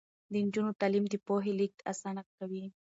د نجونو تعلیم د پوهې لیږد اسانه کوي.